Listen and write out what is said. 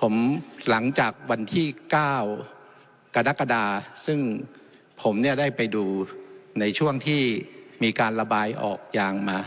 ผมหลังจากวันที่๙กรกฎาซึ่งผมเนี่ยได้ไปดูในช่วงที่มีการระบายออกยางมา